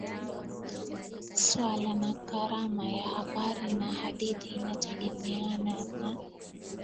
Swala na karama ya habari na hadithi inategemea na